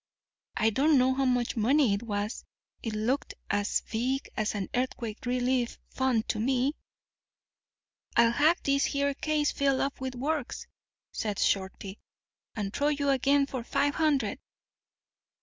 I don't know how much money it was; it looked as big as an earthquake relief fund to me. "'I'll have this here case filled up with works,' says Shorty, 'and throw you again for five hundred.